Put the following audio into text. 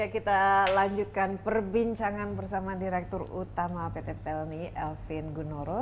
kita lanjutkan perbincangan bersama direktur utama pt pelni elvin gunoro